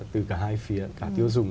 từ cả hai phía cả tiêu dùng